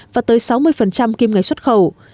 và tới sáu mươi kiêm ngay xuất khẩu